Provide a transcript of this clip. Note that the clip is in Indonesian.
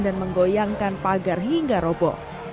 dan menggoyangkan pagar hingga roboh